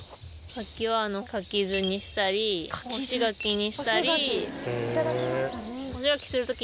柿は柿酢にしたり干し柿にしたり。